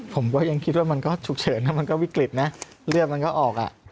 ผมก็ยังคิดว่ามันก็ฉุกเฉินนะมันก็วิกฤตนะเลือดมันก็ออกอ่ะ